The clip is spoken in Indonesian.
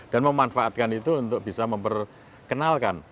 dan memanfaatkan itu untuk bisa memperkenalkan